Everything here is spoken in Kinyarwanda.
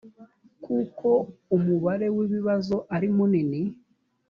kuko umubare w ibibazo ari munini